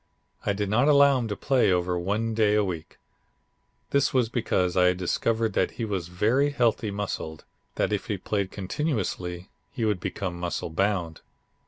I did not allow him to play over one day a week. This was because I had discovered that he was very heavily muscled; that if he played continuously he would become muscle bound.